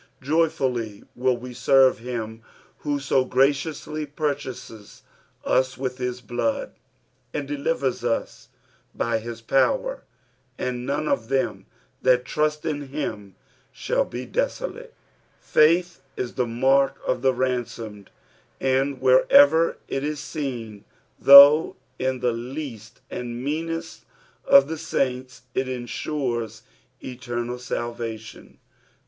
Joyfully will we serve him who so graciously purchases us with his blood, and delivers iw by his power. " AJtd none of them that trult in him ahall be desolate." Faith is tbe mark of the ransomed, and wherever it b seen, though in the least and meanest of the saints, it ensures eternal salvation.